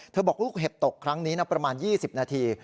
บอกลูกเห็บตกครั้งนี้นะประมาณ๒๐นาที